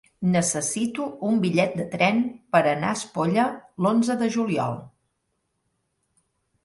Necessito un bitllet de tren per anar a Espolla l'onze de juliol.